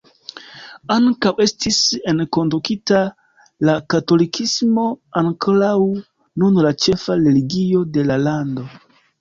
Ankaŭ estis enkondukita la katolikismo, ankoraŭ nun la ĉefa religio de la lando.